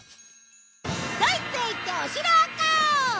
ドイツへ行ってお城を買おう！